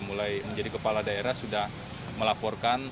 mulai menjadi kepala daerah sudah melaporkan